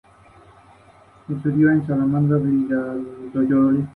Ha sido internacional con la selección estadounidense.